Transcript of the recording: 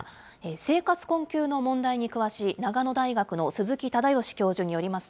生活困窮の問題に詳しい長野大学の鈴木忠義教授によります